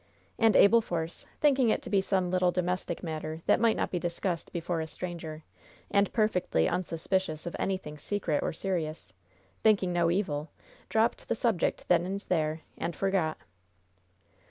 And Abel Force, thinking it to be some little domestic matter that might not be discussed before a stranger, and perfectly unsuspicious of anything secret or serious thinking no evil dropped the subject then and there, and forgot.